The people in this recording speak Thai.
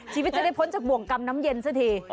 ชีวิตจะได้พ้นจากบ่วงกรรมน้ำเย็นซะที